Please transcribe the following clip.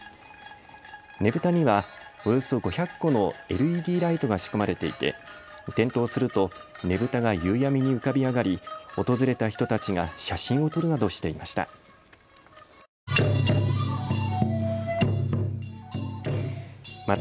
ねぶたにはおよそ５００個のＬＥＤライトが仕込まれていて点灯するとねぶたが夕闇に浮かび上がり訪れた人たちが写真を撮るなどしていました。